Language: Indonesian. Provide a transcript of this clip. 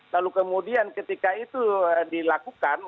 lalu kemudian ketika itu dilakukan